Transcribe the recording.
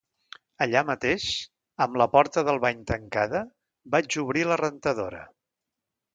Allà mateix, amb la porta del bany tancada, vaig obrir la rentadora.